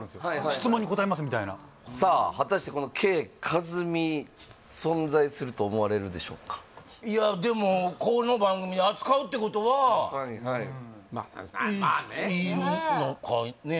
質問に答えますみたいなさあ果たしてこのＫ．カズミ存在すると思われるでしょうかいやでもこの番組で扱うってことはまあねいるのかね？